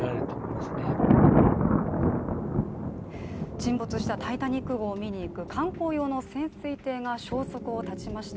沈没したタイタニック号を見に行く観光用の潜水艇が消息を絶ちました。